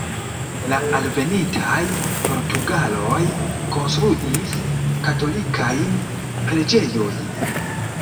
La alvenintaj portugaloj konstruis katolikajn preĝejojn.